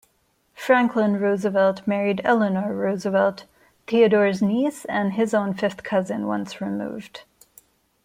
Franklin Roosevelt married Eleanor Roosevelt, Theodore's niece and his own fifth cousin once removed.